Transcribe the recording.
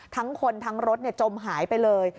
ทั้งคนทั้งรถจมหายไปเลย